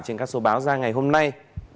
bằng các số báo ra ngày hôm nay